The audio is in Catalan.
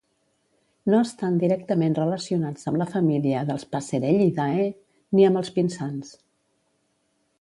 No estan directament relacionats amb la família dels "passerellidae" ni amb els pinsans.